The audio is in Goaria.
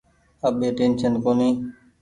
اٻي ٽيشن ڪونيٚ۔